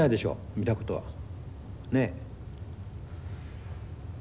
見たことは。ねえ？